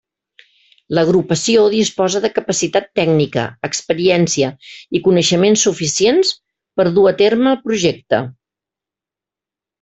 L'agrupació disposa de capacitat tècnica, experiència i coneixements suficients per dur a terme el projecte.